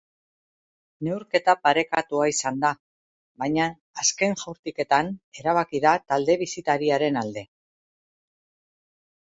Neurketa parekatua izan da, baina azken jaurtiketan erabaki da talde bisitariaren alde.